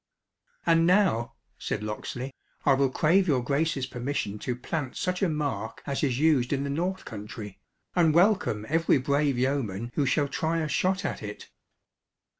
"And now," said Locksley, "I will crave your Grace's permission to plant such a mark as is used in the North Country, and welcome every brave yeoman who shall try a shot at it."